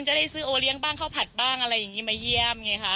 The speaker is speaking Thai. จะได้ซื้อโอเลี้ยงบ้างข้าวผัดบ้างอะไรอย่างนี้มาเยี่ยมไงค่ะ